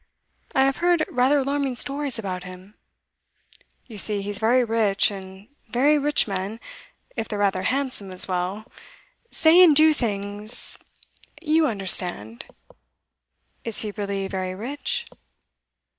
I have heard rather alarming stories about him. You see he's very rich, and very rich men, if they're rather handsome as well, say and do things you understand?' 'Is he really very rich?